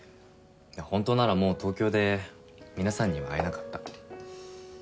本当ならもう東京で皆さんには会えなかった。